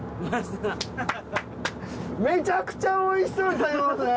めちゃくちゃおいしそうに食べますね。